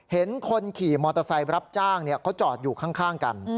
เห็นคนขี่มอเตอร์ไซค์รับจ้างเขาจอดอยู่ข้างกัน